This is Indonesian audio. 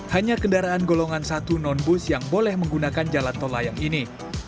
hanya kendaraan golongan satu non bus yang boleh menggunakan jalan tol layang ini